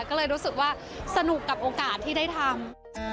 ก็เลยรู้สึกว่าสนุกกับโอกาสที่ได้ทำ